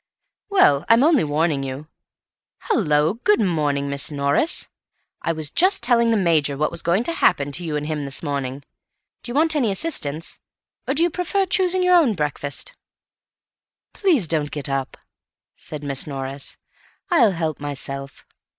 "Well, I'm only warning you. Hallo; good morning, Miss Norris. I was just telling the Major what was going to happen to you and him this morning. Do you want any assistance, or do you prefer choosing your own breakfast?" "Please don't get up," said Miss Norris. "I'll help myself.